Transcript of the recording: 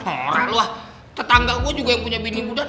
ah orang luah tetangga gue juga yang punya bini muda